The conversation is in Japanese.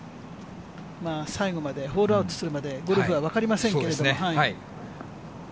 最後まで、ホールアウトするまでゴルフは分かりませんけれども。